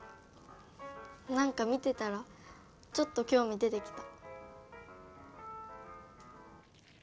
なんか見てたらちょっときょうみ出てきた。